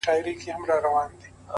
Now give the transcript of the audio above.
که هر څو خلګ ږغېږي چي بدرنګ یم،